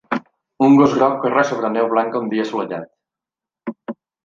Un gos groc corre sobre neu blanca un dia assolellat.